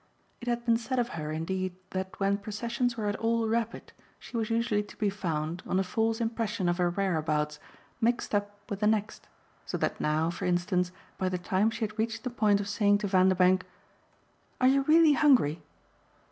It had been said of her indeed that when processions were at all rapid she was usually to be found, on a false impression of her whereabouts, mixed up with the next; so that now, for instance, by the time she had reached the point of saying to Vanderbank "Are you REALLY hungry?"